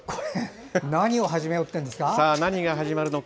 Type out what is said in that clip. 何を始めようっていうんですか。